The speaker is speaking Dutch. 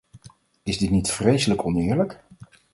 Is dit niet vreselijk oneerlijk?